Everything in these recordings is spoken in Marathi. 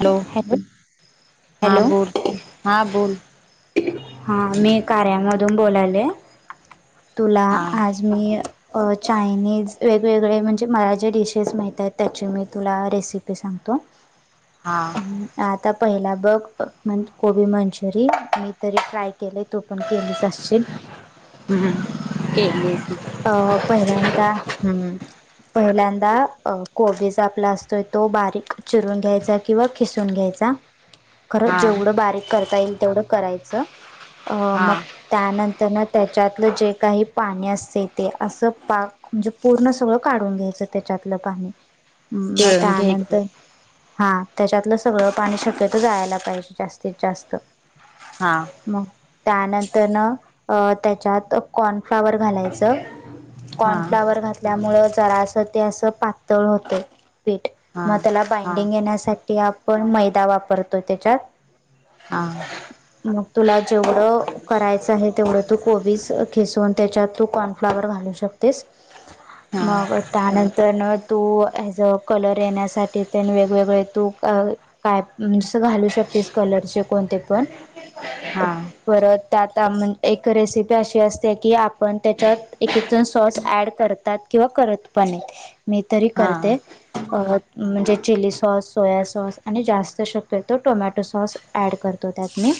हॅलो हा हॅलो बोल हा बोल. हा मी कार्यामधून बोलाले तुला हा आज मी... चायनीज वेगवेगळे म्हणजे मला जे डिशेस माहत आहेत त्याची मी तुला रेसिपी सांग... त. हा आता पहिला बघ कोबी मंचुरियन मी तरी ट्राय.. केले तो पण केलीच असशील. हम्म केली अ पहिल्यांद हम्म. पहिल्यांदा कोबीचा आपला असतोय तो बारीक चिरून घ्यायचा किंवा खिसून घ्याय. खर हा जेवढं बारीक करता येईल तेवढं करायचं. अ हा मग त्यानंतर.. त्याच्यातलं जे काही पाणी असते ते असं पाक म्हणजे पूर्ण सगळं काढून घ्यायचं त्याच्यात... त्यातलं पाणी मग पिळून घ्यायचं त्यानंतर हा त्याच्यातलं सगळं पाणी शक्यतो जायला पाहिजे जास्तीत जास्त. हा. मग त्यानंतर न अ त्याच्यात कॉर्नफ्लावर घालायचं. हा कॉर्नफ्लावर घातल्यामुळेच जरासं ते अस पातळ होत पीठ हा मग त्याला हा बायडिंग येण्यासाठी आपण मैदा वापरतोय त्याच्यात. हा. मग तुला जेवढं करायचं आहे तेवढं तू कोबी खिसून त्याच्यात तू कॉर्नफ्लावर घालू शकतेस. मग हा त्यानंतर तू हेज कलर येण्यासाठी वेगवेगळे तू काय म्हणज घालू शकतेस कलरचे कोणते पण परत त्यात म्हण एक रेसिपी अशी असते की आपण त्याच्यात एक एक जण सॉस ॲड करतात. किंवा करत पण नाहीत मी तरी हा हा करते अ म्हणजे चिली.. सॉस, सोया सॉस आणि जास्त शक्यतो टोमॅटो सॉस ॲड करतो त्यात मी.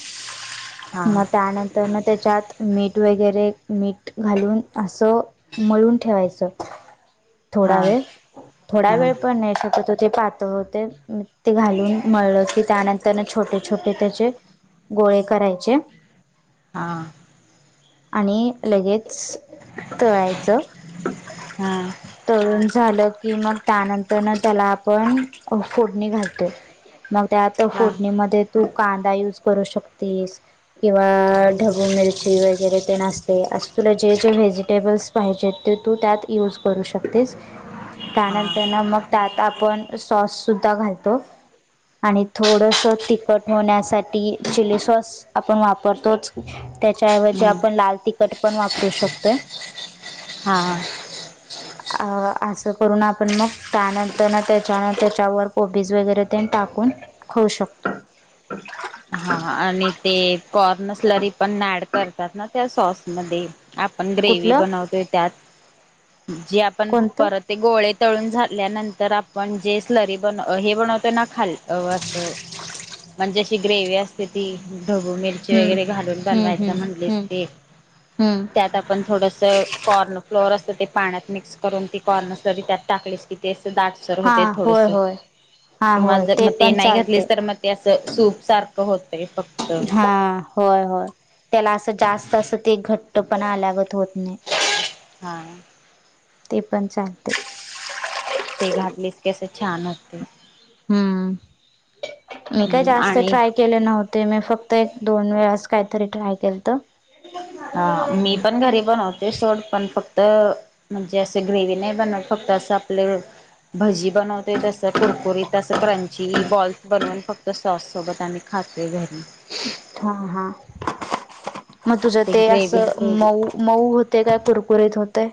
हा हा म त्यानं तर ना त्याच्यात मीठ वगैरे मीठ घालून असं मळून ठेवायचं. थोडा हा वेळ. थोडा वेळ पण नाही शक्यतो ते पातळ होते ते घालून मिळलं की त्यानंतर छोटे छोटे त्याचे गोळे करायचे. आणि लगेच तळायचं. हा तळून झालं की मग त्यानंतर न त्याला आपण फोडणी घालतो. मग त्यात हा फोडणीमध्ये.. तू कांदा यूज करू शकतेस, किंवा ढगू मिरची वगैरे तेन असतय. तुला जे जे व्हेजिटेबल्स पाहिजेत ते तू त्यात यूज करू शकतेस. हा त्यानंतर ना मग त्यात आपण सॉस सुद्धा घालतो आणि थोडस त ठवण्यासाठी चिली सॉस आपण वापरतोच. त्याच्याऐवजी हम्म आपण लाल तिखट पण वापरू शकतोय. हा अ असं करून आपण मग त्यानंतर त्याच्यान त्याच्यावर कोॉबीज वगैरे ते टाक खाऊ शकतो. हा आणि ते कॉर्नसलरी पण ऍड करतात ना त्या सॉसमध्ये. आपण ग्रेव्ही कुठलं बनवतोय त्यात जे आपण कोणतं परत ते गोळे तळून झाल्यानंतर आपण जे स्लरी बन हे बनवतो ना खाल् अस म्हणजे अशी ग्रेवी असते ती ढबू मिरची हम्म वगैरे घालून हम्म हम्म बनवायचं म्हणलेस हम्म ते हम्म त्यात आपण थोडस कॉर्न फ्लोअर अस ते पाण्यात मिक्स करून ती कॉर्नरसरी त्यात टाकलीस की ते दाट सर होते हा थोडस होय होय हा किंवा होय जर मग ते पण नाही चालते घातलेस तर मग ते अस सूप सारखं होतंय फक्त हा होय होय. त्याला असं जास्त असं ते घट्ट पणा लागत होत नाही. हां. ते पण चालतंय. ते घातलीस कस छान होतय. हम्म मी काय जास्त ट्राय केले नव्हते मी फक्त एक दोन वेळास काहीतरी ट्राय केलत. हा मी पण घरी बनवते सोड पण फक्त तर म्हणजे असं ग्रेवी नाही बनवत फक्त असं आपलं भजी बनवते तस कुरकुरीत तस क्रंची बॉल्स बनवून फक्त सॉस सोबत आम्ही खा तोय घरी. हा हा मग तुझ ते अस मऊ मऊ होतय काय कुरकुरीत होतय.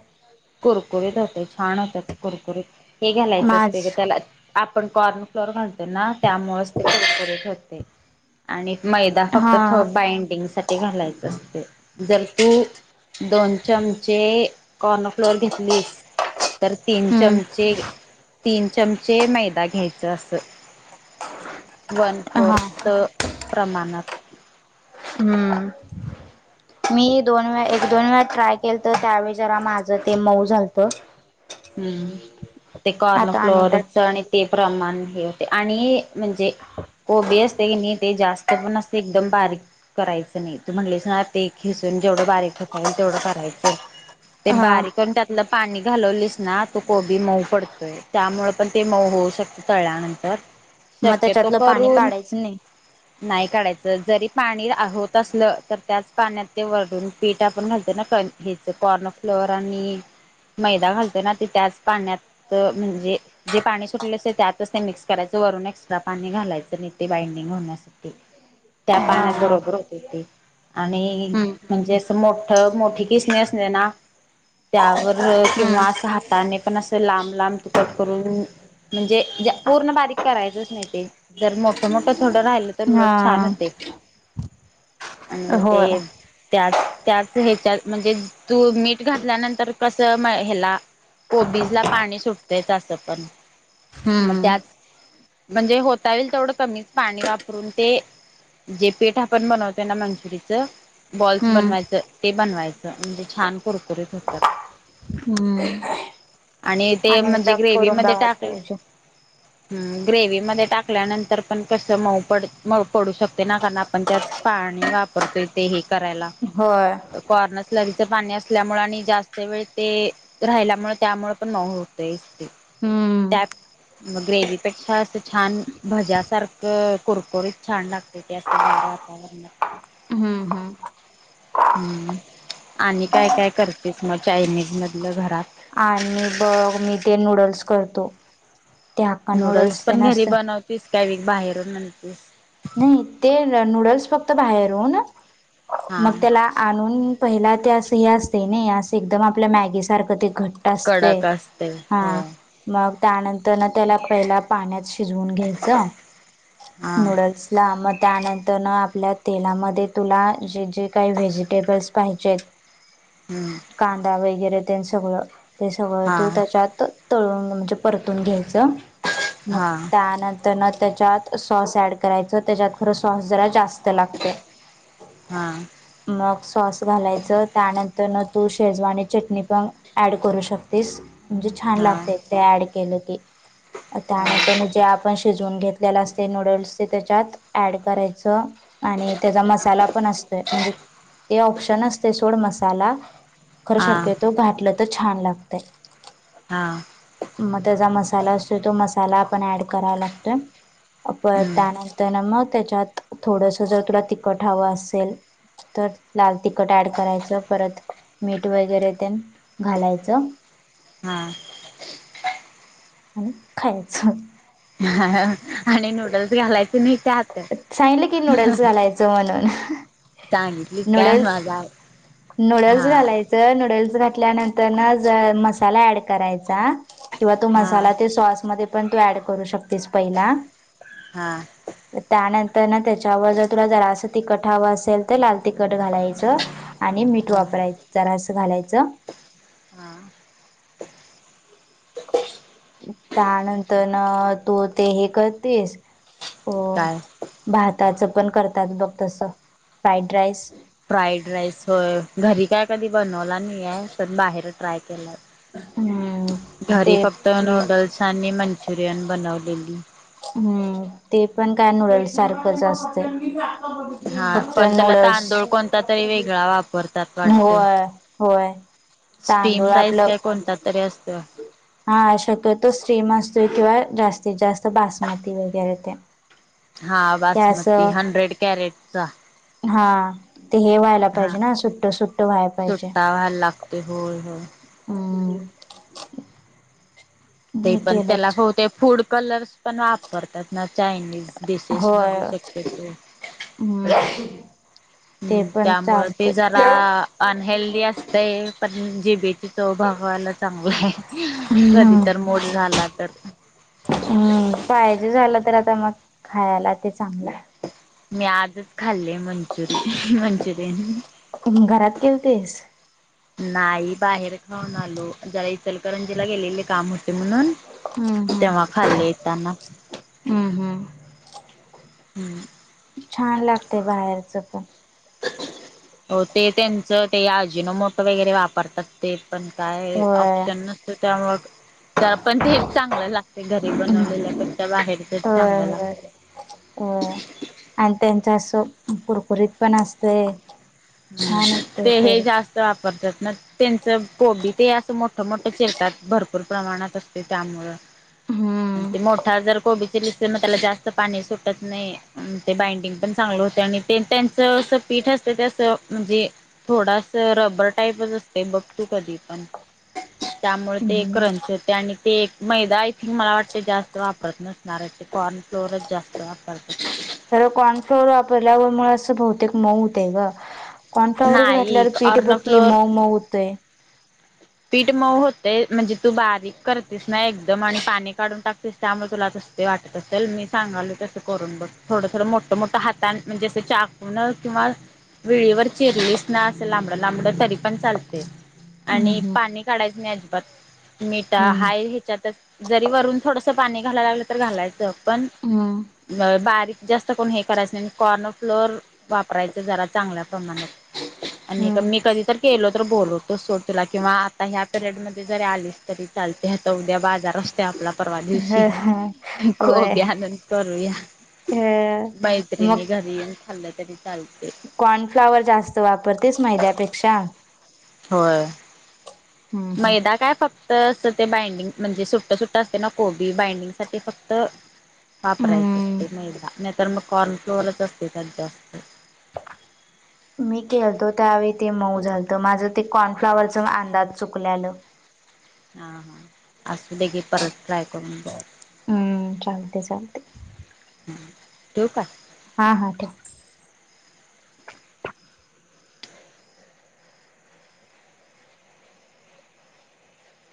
कुरकुरीत होते छान होत्यात कुरकुरीत हे घालायचं माझ असते त्याला, आपण कॉर्न फ्लोअर घालतो ना त्यामुळेच ते डेकोरेट होते, आणि मैदा हा फक्त थो बाइंडिंगसाठी घालायच असते जर तू दोन चमचे कॉ फ्लोर घेतलीस तर तीन हम्म चमचे. तीन चमचे मैदा घ्यायचे अस. वन हा फोर्थ प्रमाणात. हम्म. मी दोन वेळा एक दोन वेळा ट्राय केल तर त्यावेळी जरा माझंते मऊ झालत. हम्म ते कॉर्न आता अनेकदा फ्लोअरच आणि ते प्रमाण हे होतय आणि म्हणजे कोबी आस तेणी ते जास्त पण असते एकदम बारीक करायच नाही तू म्हणलेस ना ते खिसून जेवढ बारीक हो तेवढ करायच ते हा बारीक त्यातल पाणी घालवलिस - ना तो कोबी मऊ पडतोय त्यामुळे पण ते मऊ होऊ शकत तळल्यानंतर. मग शक्यतो त्याच्यातलं पाणी करून काढायचं नाही. नाही काढायच. जरी पाणी होत असल तर त्याच पाण्यात ते वरून पीठ आपण घालतो ना कणकेच. कॉर्नफ्लोअर आणि मैदा घालत तना ना ते त्याच पाण्यात म्हणजे जे पाणी सुटले असे त्यातच ते मिक्स करायच वरून एक्स्ट्रा पाणी पा घालायचं नाही ते बाइंडिंग होण्यासाठी त्या हा पाण्या हा बरोबर होते ते. आणि म्हणजे अस मोठ मोठी किसणी असणे ना. त्यावर किंवा अस हम्म हाताने पण अस लांब लांब तुकट करून म्हणजे पूर्ण बारीक करायचच नाही ते जर मोठं मोठं थोड राहिल. तर लोट छान हा होतय. आणि मग होय ते त्यात, त्याच हेच्यात म्हणजे तू मीठ घातल्यानंतर कस म ह्याला कोबीज ला पाणी सुटतेयच असं पण. मग हम्. त्याच म्हणजे होता येईल तेवढ कमीच पाणी वापरून ते जे पेठ आपण बनवतोय ना मंचुरीचं. बॉल्स हम्म बनवायच ते बनवायच म्हणजे छान कुरकुरीत होतात. हम्म. आणि ते म्हणजे ग्रेवीमध्ये बघायला टाकल पाहिजे. ग्रेवी मदे टाकल्यानंतर पण कसमऊ पड मऊ पडू शकते ना कारण आपण त्यात पाणी वापरतोय ते हे करायाला, होय कॉर्नस्लरी च पाणी असल्यामुळे आणि जास्त वेळ ते राहिल्यामुळे त्यामुळे पण न होतय. हम्म त्या मग ग्रेवपेक्षा असं छान भज्यासारखं. कुरकुरीत छान लागते ते असं गार वातावरणात. हम्म हम्म हम्म आणि काय काय करतेस मग चायनीज मधल घरात. आणि बघ मी ते नूडल्स करतो. ते हाक्का नूडल्स ते पण घरी नसत बनवतीस का बाहेरून आणतीस. नाही ते नूडल्स फक्त बाहेरून हा मग त्याला आणून. पहिला ते अस हे असते ना अस एकदम आपल्या मॅगी सारखं ते. घट्ट असते कडक असते हा होय मग त्यानंतर ना त्याला पहिला पाण्यात शिजवून घ्यायचं हा नूडल्स मग त्यानंतर आपल्या तेलामध्ये तुला जे जे काही व्हेजिटेबल्स पाहिजेत. हम्म कांदा वगैरे त्या सगळ ते सगळ हा तू त्याच्यात तळून म्हणजे परतून घ्यायच मग हा त्यानंतर न त्याच्यात सॉस ऍड करायच त्याच्यात खर सॉस जरा जास्त लागते. हा मग सॉस घालायच त्यान तर न तू शेजवा आणि चटणी पण ऍड करू शकतेस. म्हणजे छान हा लागत ते ऍड केलं की, हा त्यानंतर जे आपण शिजून घेतलेला असते, नूडल्स ते त्याच्यात ऍड करायचं. आणि त्याचा मसाला पण असतोय, म्हणजे ते ऑप्शन असते, सोड मसाला खरं हा शक्यतो घातलं तर छान लागतय. हा, मग त्याचा मसाला असतोय, तो मसाला आपण ऍड कराय लागतोय. परत, हम्म त्यानंतर ना मग त्याच्यात थोडस जर तुला तिखट हवं असेल. तर लाल तिखट ऍड करायचं परत मीठ वगैरे ते घालायचं. हा, [unintelligible] आणि खायचं. ह आणि नूडल्स घालायच. सांगलं की नूडल्स घालायचं म्हणून, सांगितली काय नूडल्स माझा नूडल्स हा घालायचं नूडल्स, घातल्यानंतर मसाला ऍड करायचा किंवा तो हा मसाला ते सॉसमध्येण, तू ऍड करू शकतेस पहिला, हा त्यानंतर ना त्याच्यावर जर तुला जरा अस तिखट हवं असेल, तर लाल तिखट घालायचं आणि मीठ हा वापरायच रस घालायचं. हा [unintelligible] त्यानंतर ना तू ते हे करतेस, हो काय भाताचं पण करतात बघ तस, फ्राईड राईस फ्राईड राईस होय घरी काय कधी बनवला नाहीय पण बाहेर ट्राय केला. हम्म घरी ते फक्त नूडल्स, आणि मंचुरियन बनवलेली हम्म ते पण काय नूडल्स सारखंच असत. हा फक्त पण त्याला नूडल्स तांदूळ कोणता तरी वेगळा वापरतात हो. वाटत होय तांदूळ स्टीम राईस आपलं, काय कोणता तरी असतो हा शक्यत मस् किंवा जास्तीत जास्त बासमती वगैरे ते, हा ते बासमती असं हंड्रेड कॅरेटचा, हा ते हे व्हायला हा पाहिजे ना सुट्ट सुट्ट व्हायला पाहिजे. सुट्टा व्हायला लागतोय होय होय हम ते पण त्याला होते फूड कलर्स पण वापरतात. ना चायनीज होय डिशेसमध्येध्ये शक्यत आहे. हम्म ते हम्म पण त्यामुळे ते चालतय. जरा ठेव. अनहेल्दी असते. पण जे बी, चवभगवायला चांगलं आहे. कधी हम्म तर मोड झाला तर, हम् पाहिजे, झालं तर आता मग, खायाला ते चांगलं हाय. मी आजच खाल्ले मंचुरियन, मंचुरियन. घरात केलतेस? नाही बाहेर खाऊन आलो, जरा इचलकरंजीला गेलेले, काम होते म्हणून. हम्म हम्म तेव्हा खाल्ले येताना. हम्म [unintelligible] हम्म हम्म छान लागते बाहेरच पण हो, ते त्यांचं ते आजीनोमोटो वगैरे वापरतात ते पण काय होय ऑप्शन नसत त्यामुळं, त्या पण तेच, चांगलं लागतय घरी बनवलेल्या पेक्षा, बाहेरचच होय चांगलं होय लागतय. आणि त्यांच्या कुरकुरीत पण असतंय ते, हे जास्त वापरतात मग त्यांचं कोबी ते असं मोठं, मोठं चिरतात भरपूर प्रमाणात असतय त्यामुळं हम्म ते मोठा जर कोबी त्याला जास्त पाणी सुटत नाही, अन ते बाइंडिंग पण चांगलं होतय, आणि ते त्यांच पीठ असतय त्यात म्हणजे थोडास रबर टाईपच असते, बघ तू कधी पण त्यामुळे ते एक हम्म क्रंच होते आणि ते एक मैदा, आय थिंक मला वाटते जास्त वापरत नसणार आहेत ते कॉर्नफ्लोअरच जास्त वापरत खरं कॉर्नफ्लोअर वापरल्यावर म असं बहुतेक मऊत आहे ग! कॉर्नफ्लाॉवरच नाही घातल्यावर पीठ बघ की कॉर्नफ्लोअर मऊ मऊ होतय. पीठ मऊ होतय, म्हणजे तू बारीक करतेस ना एकदम आणि पाणी काढून टाकतेस त्यामुळे तुला तास ते वाटत असेल मी सांगालो तसं करून बघ थोडं थोडं मोठं, मोठं हाता म्हणजे असं चाकून किंवा विळीवर चिरलीस ना असं लांबडं लांबडं तरी पण चालते, हम्म आणि हम्म पाणी काढायच नाही अजिबात मीठा हम्म हाय ह्याच्यातच जरी वरून थोडसं पाणी घालायला लागलं तर घालायचं पण हम्म बारीक जास्त कोण हे करायचं नाही कॉर्नफ्लोर वापरायच जरा चांगल्या प्रमाणात आणि मी कधी तर केलो तर बोलवतोच, सोड तुला किंवा आता ह्या पिरियड मध्ये जरी आलीस तरी चालते. ह्या तर उद्या बाजार असते आपला परवा दिवशी होय कोबी आणून करूया. अ मैत्रिणी घरी येन खाल्लं तरी चालते. कॉर्नफ्लावर जास्त वापरतेस मैद्यापेक्षा? व्हय, हम्म हम्म मैदा काय फक्त तर असं ते बाइंडिंग म्हणजे सुट्ट, सुट्ट असते ना कोबी बाइंडिंगसाठी फक्त वापरायचं असते हम्म मैदा, नाहीतर मग कॉर्न फ्लोअरच असते त्यात जास्त. मी केलतो त्यावेळी ते मऊ झालतं, माझं ते कॉर्नफ्लावरच अंदाज चुकल्यालं हा, हा असू दे की परत ट्राय करून बघ. हम्म, चालतय चालतय. ठेऊ का? हा, हा ठीक.